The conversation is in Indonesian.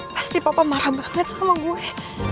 pasti papa marah banget sama gue